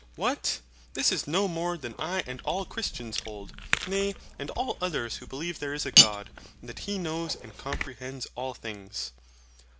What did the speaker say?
What! This is no more than I and all Christians hold; nay, and all others too who believe there is a God, and that He knows and comprehends all things.